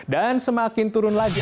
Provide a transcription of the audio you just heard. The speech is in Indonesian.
dan semakin turun lagi